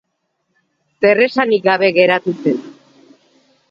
Zer esanik gabe geratu zen.